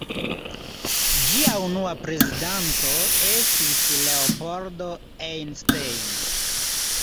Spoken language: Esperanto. Ĝia unua prezidanto estis Leopold Einstein.